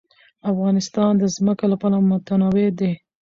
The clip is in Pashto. افغانستان د ځمکه له پلوه متنوع دی.